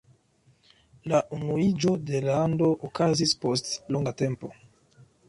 La unuiĝo de lando okazis post longa tempo.